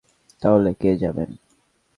তাহলে কে যাবেন?